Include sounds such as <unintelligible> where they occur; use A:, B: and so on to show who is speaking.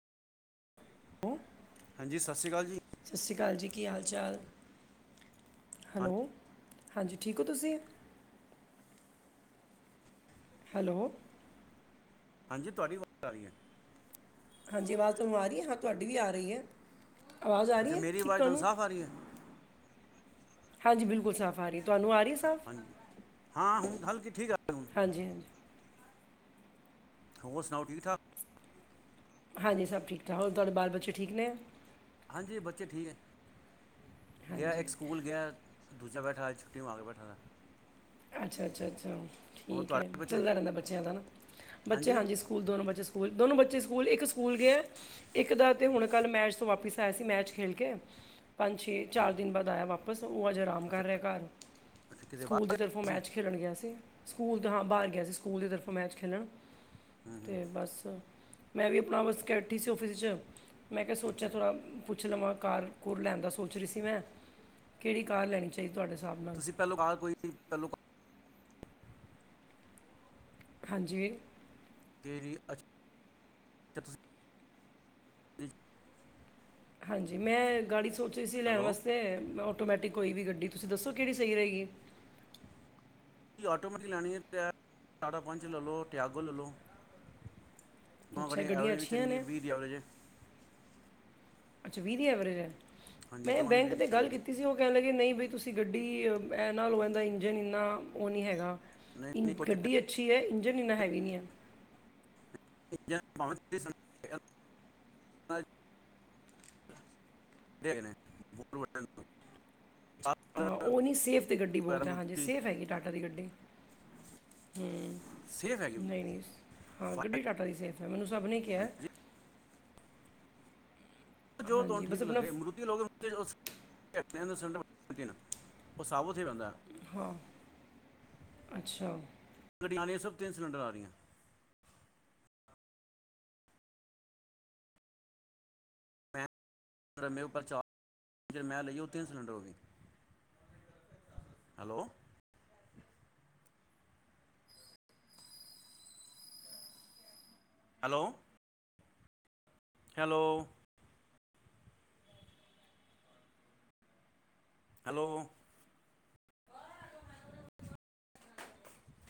A: Hello,
B: ਹਾਂਜੀ, ਸਤਿ ਸ਼੍ਰੀ ਅਕਾਲ ਜੀ।
A: ਸਤਿ ਸ਼੍ਰੀ ਅਕਾਲ ਜੀ, ਕੀ ਹਾਲ-ਚਾਲ?
B: ਹਾਂ
A: ਹੈਲੋ, ਹਾਂਜੀ ਠੀਕ ਓ ਤੁਸੀ? ਹੈਲੋ।
B: ਹਾਂਜੀ, ਤੁਆਡੀ ਵਾਜ ਆ ਰੀਐ।
A: ਹਾਂਜੀ, ਵਾਜ ਤੁਆਨੂੰ ਆ ਰਿਐ ਹਾਂ, ਤੁਆਡੀ ਵੀ ਆ ਐ ਵਾਜ
B: ਅੱਛਾ
A: ਆਰੀ
B: ਮੇਰੀ
A: ਠੀਕ
B: ਆਵਾਜ਼ ਤੁਹਾਨੂੰ
A: ਤੁਆਨੂੰ?
B: ਸਾਫ਼ ਆ ਰਹੀ ਹੈ
A: ਹਾਂਜੀ ਬਿਲਕੁਲ ਸਾਫ ਆ ਰਿਐ, ਤੁਆਨੂੰ ਆ ਰੀ ਸਾਫ।
B: ਹਾਂਜੀ ਹਾਂ ਹੁਣ, ਹਲਕਿ ਠੀਕ ਆ ਹੁਣ।
A: ਹਾਂਜੀ-ਹਾਂਜੀ।
B: ਹੋਰ ਸੁਨਾਓ ਠੀਕ-ਠਾਕ?
A: ਹਾਂਜੀ, ਸਬ ਠੀਕ-ਠਾਕ ਹੋਰ ਤੁਆਡੇ ਬਾਲ-ਬੱਚੇ ਠੀਕ ਨੇ?
B: ਹਾਂਜੀ ਬੱਚੇ ਠੀਕ ਨੇ, ਗਯਾ ਏ
A: ਹਾਂਜੀ
B: ਏਕ ਸਕੂਲ ਗਯਾ। ਦੂਜਾ ਬੈਠਾ ਅੱਜ ਛੁੱਟੀ ਮਾਰ ਕੇ ਬੈਠਾ।
A: ਅੱਛਾ-ਅੱਛਾ-ਅੱਛਾ
B: ਹੋਰ
A: ਠੀਕ ਹੈ।
B: ਤੁਹਾਡੇ ਬੱਚੇ
A: ਚੱਲਦਾ ਰਹਿੰਦਾ ਬੱਚਿਆਂ ਦਾ ਨਾ ਬੱਚੇ ਹਾਂਜੀ ਸਕੂ ਦੋਨੋ ਬੱਚੇ ਸਕੂਲ ਦੋਨੋ ਬੱਚੇ ਸਕੂਲ ਇੱਕ ਸਕੂਲ ਗਇਆ। ਇੱਕ ਦਾ ਤੇ ਹੁਣ ਕੱਲ ਮੈਚ ਤੋਂ ਵਾਪਿਸ ਆਇਆ ਸੀ ਮੈਚ ਖੇਲ ਕੇ ਪੰਜ ਛੇ
B: ਅੱਛਾ
A: ਚਾਰ ਦਿਨ ਬਾਅਦ ਆਇਆ ਵਾਪਿਸ ਉਹ ਅੱਜ ਆਰਾਮ
B: ਅੱਛਾ
A: ਕਰ ਰਿਹਾ ਘਰ।
B: ਅੱਛਾ, ਕਿਤੇ ਬਾਹਰ
A: ਸਕੂਲ ਦੀ ਤਰਫੋਂ
B: ਗਏ ਸੀ
A: ਮੈਚ ਖੇਡਣ ਗਿਆ ਸੀ ਸਕੂਲ ਤੋਂ ਹਾਂ ਬਾਹਰ ਗਿਆ ਸੀ ਸਕੂਲ ਦੀ ਤਰਫੋਂ ਮੈਚ ਖੇਲਣ
B: ਹੂੰ ਹੂੰ
A: ਤੇ ਬਸ ਮੈਂ ਵੀ ਆਪਣਾ ਵੱਸ ਕੇਠੀ ਸੀ ਆਫਿਸ ਚ' ਮੈਂ ਕਿਹਾ ਸੋਚਿਆ
B: ਅੱਛਾ ਜੀ
A: ਥੋੜ੍ਹਾ ਪੁੱਛ ਲਵਾਂ ਕਾਰ-ਕੂਰ ਲੈਣ ਦਾ ਸੋਚ ਰਹੀ ਸੀ ਮੈਂ, ਕਿਹੜੀ ਕਾਰ ਲੈਣੀ ਚ ਸਹੀ ਤੁਹਾਡੇ ਹਿਸਾਬ ਨਾਲ
B: ਪਹਿਲ ਆ ਕੋਈ ਪਹਿਲ <inaudible>
A: ਹਾਂਜੀ।
B: <unintelligible> ਤੁਸੀਂ
A: ਹਾਂਜੀ ਮੈਂ ਗਾੜੀ ਸੋਚੀ ਸੀ ਲੈਣ
B: ਹੈਲੋ
A: ਵਾਸਤੇ ਮੈਂ ਆਟੋਮੈਟਿਕ ਕੋਈ ਵੀ ਗੱਡੀ ਤੁਸੀਂ ਦੱਸੋ ਕਿਹੜੀ ਸਹੀ ਰਹੇਗੀ?
B: ਆਟੋਮੈਟਿਕ ਲੈਣੀ ਹੈ ਚਾਰਾ ਪੰਜਚ ਲੈ ਲਓ ਟਿਆਗੋ ਲੈ ਲਓ। <inaudible>
A: ਅੱਛਾ
B: ਉਹੜੀ
A: ਗੱਡੀਆਂ
B: ਐਵਰੇਜ ਵੀ
A: ਅੱਛੀਆਂ
B: ਚੰਗੀ
A: ਨੇ
B: ਵੀਹ ਦੀ ਐਵਰੇਜ
A: ਅੱਛਾ ਵੀਹ ਦੀ ਐਵਰੇਜ ਏ
B: ਹਾਂਜੀ
A: ਮੈਂ
B: ਦੋਵਾਂ ਦੀ
A: ਬੈਂਕ
B: ਦੀ
A: ਤੇ
B: ਐਵਰੇਜ
A: ਗੱਲ
B: ਹੈ।
A: ਕੀਤੀ ਤੁਸੀਂ ਉਹ ਕਹਿ ਲਗੇ ਨਹੀਂ ਬਈ ਤੁਸੀਂ ਗੱਡੀ ਐ ਨਾ ਲੳ, ਇਹਦਾ ਇੰਜਨ ਇੰਨਾ ਉਹ ਨਹੀਂ ਹੈਗਾ।
B: ਨਹੀਂ
A: ਇ
B: ਨਹੀਂ ਕੋਈ ਚੱਕਰ
A: ਗੱਡੀ ਅੱਛੀ ਹੈ ਇੰਜਨ ਇੰਨਾ ਹੈਵੀ ਨਹੀਂ ਏ।
B: ਬਤ <unintelligible> ਕਿ ਬੋ <unintelligible>
A: ਹਾਂ ਉਹ ਨਹੀਂ ਸੇਫ ਤੇ ਗੱਡੀ
B: ਪੈਰਾਂ
A: ਬਹੁਤ ਹੈ ਹਾਂਜੀ
B: ਮਰੂਤੀ
A: ਸੇਫ ਹੈਗੀ ਟਾਟਾ ਦੀ ਗੱਡੀ ਹੂ।
B: ਸੇਫ ਹੈਗੀ
A: ਨਹੀਂ ਨਹੀਂ ਹਾਂ
B: ਫਾਇਰ
A: ਗੱਡੀ ਟਾਟ ਦੀ ਸੇਫ ਹੈ ਮੈਨੂੰ ਸਭ ਨੇ ਕਿਹਾ
B: ਹਾਂਜੀ ਜੋ ਤੁਹਾਨੂੰ
A: ਹਾਂਜੀ ਬਸ
B: ਠੀਕ
A: ਆਪਣਾ
B: ਲੱਗੇ
A: ਫ-
B: ਮਰੂਤੀ ਲੋਗੇ <unintelligible> ਉਹ ਸਾਬ ਉੱਥੇ ਪੈਂਦਾ।
A: ਹਾਂ ਅੱਛਾ।
B: ਗੱਡੀਆਂ ਰਆਂ ਸਭ ਤਿੰਨ ਸਿਲੰਰ ਰਹੀਆਂ <unintelligible> ਮੈਂ ਸਿਲੰਡਰ ਮੇ ਉਪਰ ਚਾਰ ਜਿਹੜੀ ਮੈਂ ਲਈਓ ਉਹ ਤਿੰਨ ਸਿਲੰਡਰ ਹੋਗੀ। ਹੈਲੋ। ਹੈਲੋ। ਹੈਲੋ। ਹੈਲੋ।